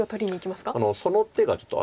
その手がちょっとあって。